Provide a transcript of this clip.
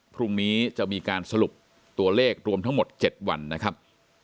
พรุ่งนี้จะมีการสรุปตัวเลขรวมทั้งหมด๗วันนะครับ